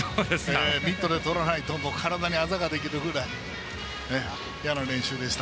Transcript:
ミットでとらないと、体にあざができるぐらい嫌な練習でした。